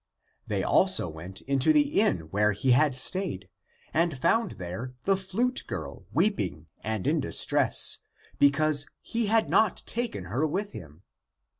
They also went into the inn where he had stayed, and found there the flute girl weeping and in distress, because he had not taken her with him.